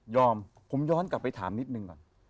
ผมย้อนกลับไปถามนิดนึงก่อน